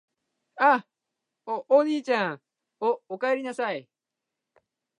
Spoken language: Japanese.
お、おにいちゃん・・・お、おかえりなさい・・・